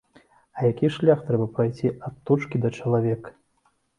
А які ж шлях трэба прайсці ад птушкі да чалавека!